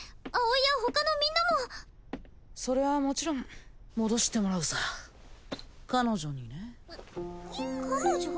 葵や他のみんなもそれはもちろん戻してもらうさ彼女にね彼女？